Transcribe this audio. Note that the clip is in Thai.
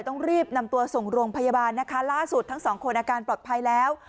ต้องรีบนำตัวส่งโรงพยาบาลนะคะล่าสุดทั้งสองคนอาการปลอดภัยแล้ว